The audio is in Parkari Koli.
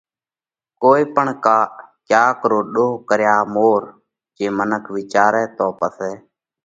ڪوئي پڻ ڪا ڪيا رو پڻ ۮوه ڪريا مور جي منک وِيچارئہ تو پسئہ